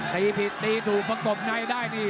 ตีผิดตีถูกประกบในได้นี่